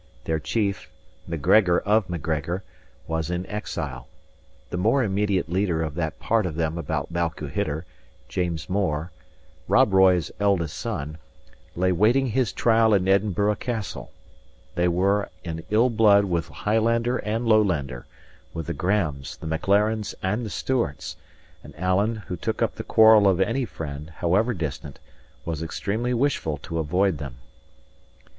Their chief, Macgregor of Macgregor, was in exile; the more immediate leader of that part of them about Balquhidder, James More, Rob Roy's eldest son, lay waiting his trial in Edinburgh Castle; they were in ill blood with Highlander and Lowlander, with the Grahames, the Maclarens, and the Stewarts; and Alan, who took up the quarrel of any friend, however distant, was extremely wishful to avoid them.